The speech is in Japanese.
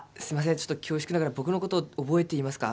ちょっと恐縮ながら僕のことを覚えていますか？